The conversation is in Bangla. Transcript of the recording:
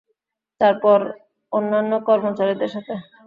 তারপর অন্যান্য কর্মচারীদের সাথে।